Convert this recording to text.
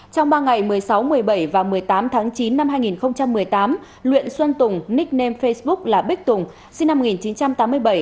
trong ba ngày một mươi sáu một mươi bảy và một mươi tám tháng chín năm hai nghìn một mươi tám nguyễn xuân tùng nicknam facebook là bích tùng sinh năm một nghìn chín trăm tám mươi bảy